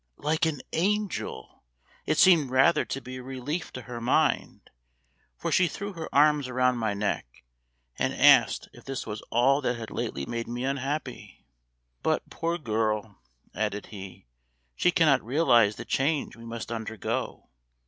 "Like an angel! It seemed rather to be a relief to her mind, for she threw her arms around my neck, and asked if this was all that had lately made me unhappy. But, poor girl," added he, "she cannot realize the change we must undergo.